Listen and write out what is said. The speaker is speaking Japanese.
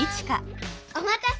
お待たせ！